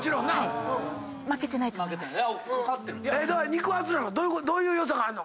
肉厚なん⁉どういう良さがあるの？